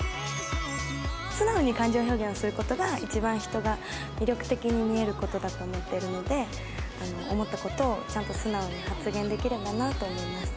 素直に感情表現をする事が一番人が魅力的に見える事だと思っているので思った事をちゃんと素直に発言できればなと思います。